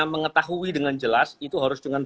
mengetahui dengan jelas itu harus dengan